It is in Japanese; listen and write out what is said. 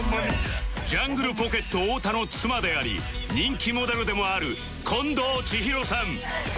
ジャングルポケット太田の妻であり人気モデルでもある近藤千尋さん